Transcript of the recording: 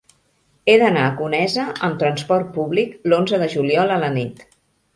He d'anar a Conesa amb trasport públic l'onze de juliol a la nit.